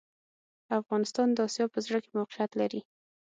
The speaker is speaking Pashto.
افغانستان د اسیا په زړه کي موقیعت لري